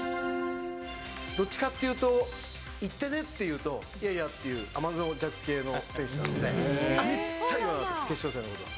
どっちかっていうと、行ってねっていうと、いやいやっていうあまのじゃく系の選手なんで、一切言わなかったです、決勝戦のことは。